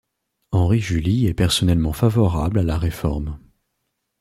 Henri-Julies est personnellement favorable à la Réforme.